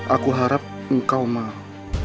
aku harap engkau maaf